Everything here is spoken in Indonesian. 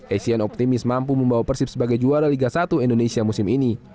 essien optimis mampu membawa persib sebagai juara liga satu indonesia musim ini